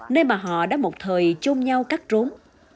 nơi mà họ đã một thời chôn nhau cắt trốn